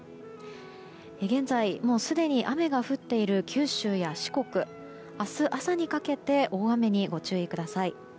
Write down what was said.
現在、すでに雨が降っている九州や四国明日朝にかけて大雨にご注意ください。